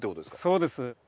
そうです。